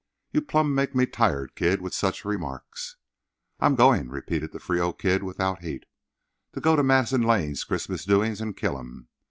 You plumb make me tired, Kid, with such remarks." "I'm going," repeated the Frio Kid, without heat, "to go to Madison Lane's Christmas doings, and kill him.